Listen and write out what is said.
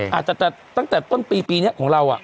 อาจจะแต่ตั้งแต่ต้นปีปีนี้ของเรา